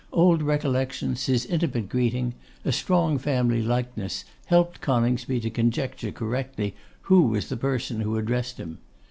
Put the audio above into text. Old recollections, his intimate greeting, a strong family likeness, helped Coningsby to conjecture correctly who was the person who addressed him.